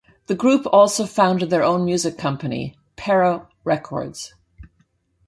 The group also founded their own music company, Perro Records.